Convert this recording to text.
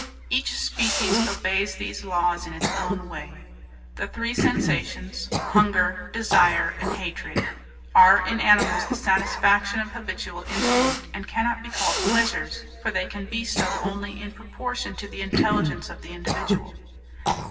Each species obeys these laws in its own way. The three sensations: hunger, desire, and hatred are in animals the satisfaction of habitual instinct, and cannot be called pleasures, for they can be so only in proportion to the intelligence of the individual.